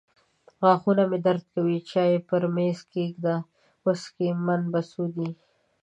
غاښونه مې درد کوي. چای پر مېز کښېږده. وڅکې من په څو دي.